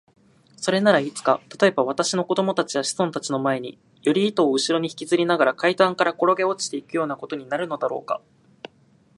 それならいつか、たとえば私の子供たちや子孫たちの前に、より糸をうしろにひきずりながら階段からころげ落ちていくようなことになるのだろうか。